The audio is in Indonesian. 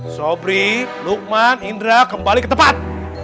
sopri lukman indra kembali ke tempat